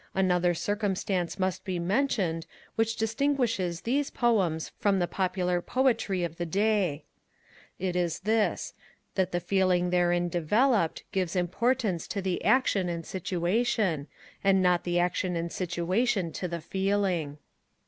Another circumstance must be mentioned which distinguishes these Poems from the popular Poetry of the day; it is this, that the feeling therein developed gives importance to the action and situation, and not the action and situation to the feeling.